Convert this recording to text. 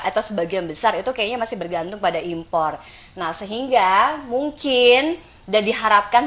atau sebagian besar itu kayaknya masih bergantung pada impor nah sehingga mungkin dan diharapkan